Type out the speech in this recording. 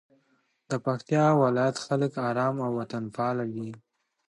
د پکتیکا ولایت خلک آرام او وطنپاله دي.